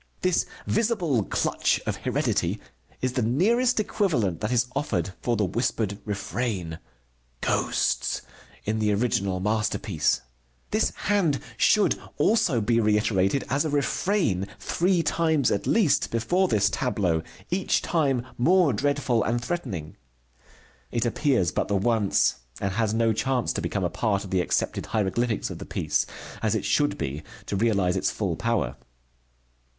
This visible clutch of heredity is the nearest equivalent that is offered for the whispered refrain: "Ghosts," in the original masterpiece. This hand should also be reiterated as a refrain, three times at least, before this tableau, each time more dreadful and threatening. It appears but the once, and has no chance to become a part of the accepted hieroglyphics of the piece, as it should be, to realize its full power.